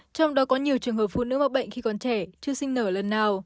trong đó có nhiều trường hợp phụ nữ vào bệnh khi còn trẻ chưa sinh nở lần nào